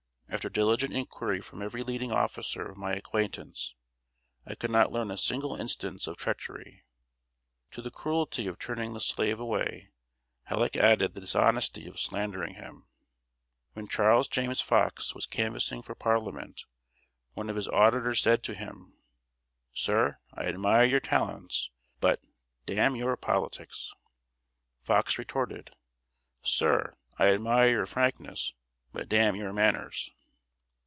After diligent inquiry from every leading officer of my acquaintance, I could not learn a single instance of treachery. To the cruelty of turning the slave away, Halleck added the dishonesty of slandering him. When Charles James Fox was canvassing for Parliament, one of his auditors said to him: "Sir, I admire your talents, but d n your politics!" Fox retorted: "Sir, I admire your frankness, but d n your manners!"